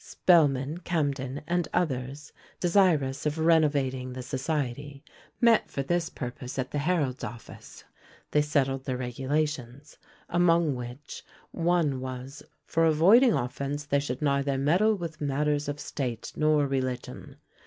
Spelman, Camden, and others, desirous of renovating the society, met for this purpose at the Herald's office; they settled their regulations, among which, one was "for avoiding offence, they should neither meddle with matters of state nor religion."